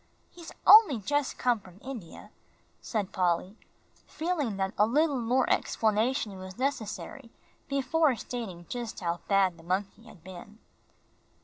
"He's only just come from India," said Polly, feeling that a little more explanation was necessary before stating just how bad the monkey had been.